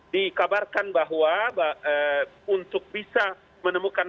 dikabarkan bahwa untuk bisa menemukan